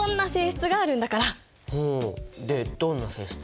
でどんな性質？